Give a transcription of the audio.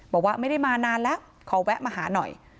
บอกว่าไม่ได้มานานแล้วขอแวะมาหาหน่อย